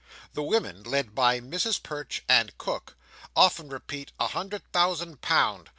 The women, led by Mrs Perch and Cook, often repeat "a hun dred thou sand pound!"